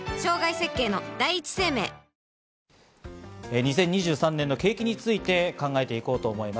２０２３年の景気について考えて行こうと思います。